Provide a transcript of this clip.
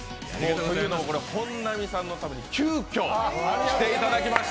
本並さんのために急きょ来ていただきました。